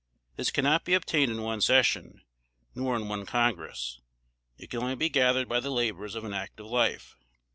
This cannot be obtained in one session, nor in one Congress; it can only be gathered by the labors of an active life.